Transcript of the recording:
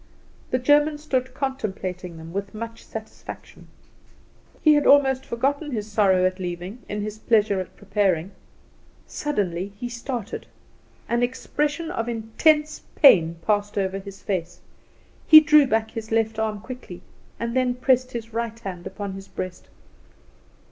The German stood contemplating them with much satisfaction. He had almost forgotten his sorrow at leaving in his pleasure at preparing. Suddenly he started; an expression of intense pain passed over his face. He drew back his left arm quickly, and then pressed his right hand upon his breast.